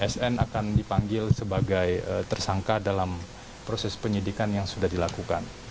sn akan dipanggil sebagai tersangka dalam proses penyidikan yang sudah dilakukan